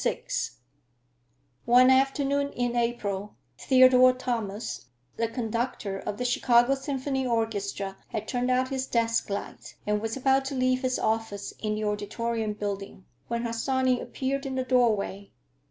VI One afternoon in April, Theodore Thomas, the conductor of the Chicago Symphony Orchestra, had turned out his desk light and was about to leave his office in the Auditorium Building, when Harsanyi appeared in the doorway.